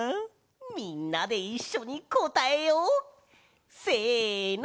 みんなでいっしょにこたえよう！せの！